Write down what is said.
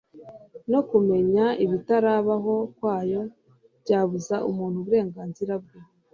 no kumenya ibitarabaho kwayo byabuza umuntu uburenganzira bwe